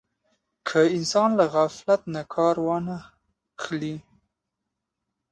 که انسان له غفلت نه کار وانه خلي.